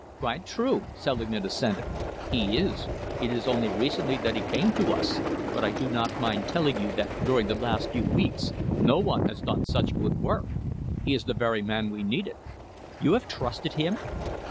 "Quite true," Selingman assented. "He is. It is only recently that he came to us, but I do not mind telling you that during the last few weeks no one has done such good work. He is the very man we needed." "You have trusted him?"